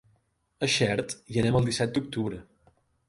A Xert hi anem el disset d'octubre.